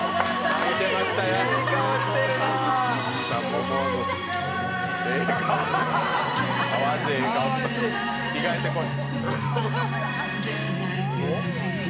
着替えてこい。